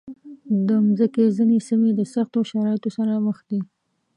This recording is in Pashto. د مځکې ځینې سیمې د سختو شرایطو سره مخ دي.